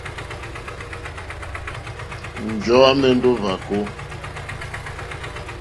Njɔ̀ɔ́ à mɛ̀ndɛ́ ó hwàkó.